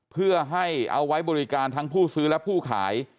เพื่อให้เอาไว้บริการทั้งผู้ซื้อและผู้ขาย